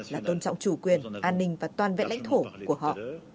là tôn trọng chủ quyền an ninh và toàn vẹn lãnh thổ của họ